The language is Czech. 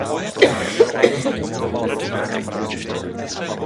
Přilehlý hřbitovní domek je připravován k rekonstrukci.